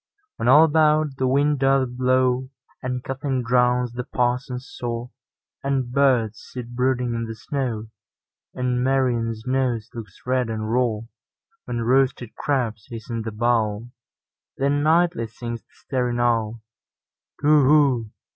When all about the wind doth blow, And coughing drowns the parson's saw, And birds sit brooding in the snow, And Marian's nose looks red and raw; When roasted crabs hiss in the bowl—Then nightly sings the staring owlTu whoo!